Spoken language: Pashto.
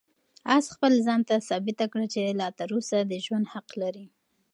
آس خپل ځان ته ثابته کړه چې لا تر اوسه د ژوند حق لري.